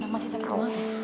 masih sakit ga